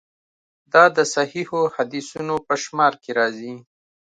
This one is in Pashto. دا د صحیحو حدیثونو په شمار کې راځي.